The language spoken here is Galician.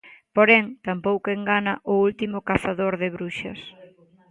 Porén, tampouco engana "O último cazador de bruxas".